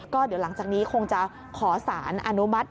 ก็เดี๋ยวหลังจากนี้คงจะขอสารอนุมัติ